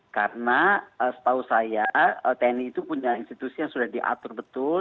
karena setahu saya tni itu punya institusi yang sudah diatur betul